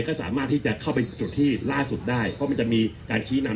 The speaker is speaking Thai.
ก็สามารถที่จะเข้าไปจุดที่ล่าสุดได้เพราะมันจะมีการชี้นำ